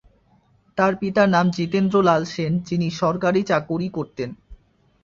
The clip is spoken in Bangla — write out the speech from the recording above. তার পিতার নাম জিতেন্দ্র লাল সেন যিনি সরকারি চাকুরী করতেন।